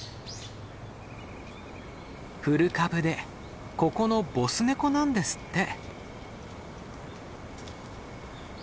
古株でここのボスネコなんですって。